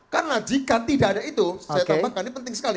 karena jika tidak ada itu saya tambahkan ini penting sekali